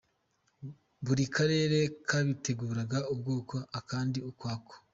Buri Karere kabiteguraga ukwako, akandi ukwako.